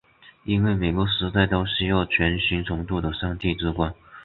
因为每个时代都需要全新程度的上帝之光。